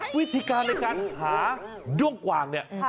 วิธีการในการหายด้วงกว่างเนี่ย